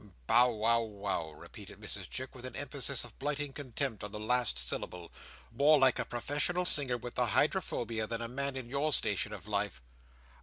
"Bow wow wow!" repeated Mrs Chick with an emphasis of blighting contempt on the last syllable. "More like a professional singer with the hydrophobia, than a man in your station of life!"